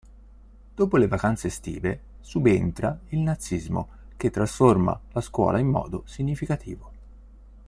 Dopo le vacanze estive, subentra il nazismo che trasforma la scuola in modo significativo.